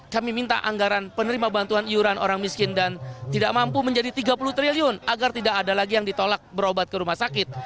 kami minta anggaran penerima bantuan iuran orang miskin dan tidak mampu menjadi tiga puluh triliun agar tidak ada lagi yang ditolak berobat ke rumah sakit